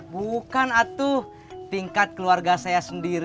bukan atuh tingkat keluarga saya sendiri